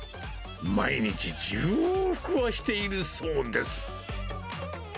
毎日１０往復はしているそうです。